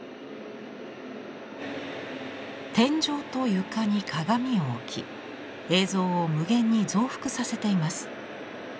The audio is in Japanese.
天井と床に鏡を置き映像を無限に増幅させています。